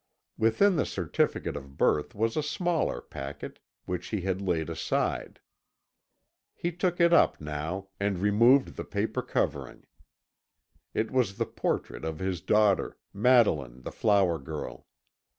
Within the certificate of birth was a smaller packet, which he had laid aside. He took it up now, and removed the paper covering. It was the portrait of his daughter, Madeline the flower girl.